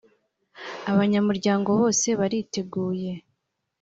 abanyamuryango bose bariteguye.